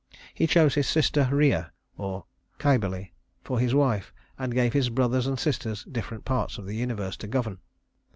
He chose his sister Rhea (Cybele) for his wife, and gave his brothers and sisters different parts of the universe to govern.